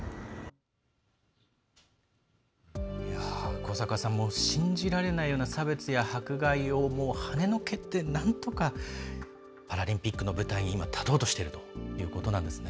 古坂さん信じられないような差別や迫害をはねのけて、なんとかパラリンピックの舞台に今、立とうとしているということなんですね。